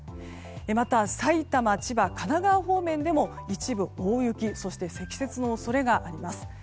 また埼玉、千葉、神奈川方面でも一部大雪そして積雪の恐れがあります。